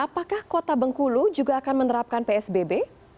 apakah kota bengkulu juga akan menerapkan psbb